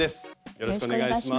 よろしくお願いします。